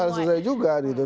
sudah selesai juga gitu